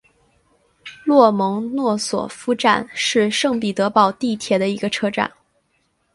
洛蒙诺索夫站是圣彼得堡地铁的一个车站。